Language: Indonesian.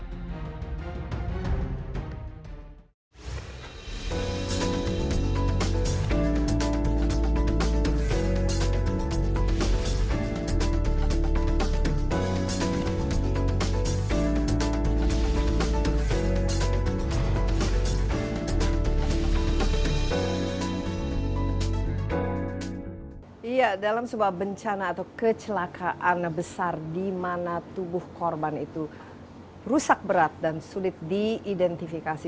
dalam sebuah bencana atau kecelakaan besar di mana tubuh korban itu rusak berat dan sulit diidentifikasi